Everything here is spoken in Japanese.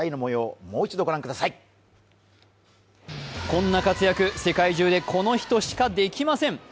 こんな活躍、世界中でこの人しかできません。